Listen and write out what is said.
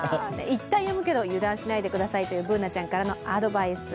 いったんやむけど油断しないでくださいというＢｏｏｎａちゃんからのアドバイス。